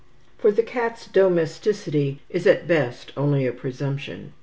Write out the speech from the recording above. For the cat's domesticity is at best only a presumption.